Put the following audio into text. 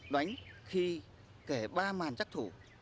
đánh khi kể ba màn chắc thủ